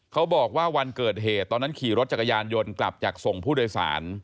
เขาบอกว่าวันเกิดเหตุตอนนั้นขี่รถจักรยานยนต์กลับจากส่งผู้โดยสาร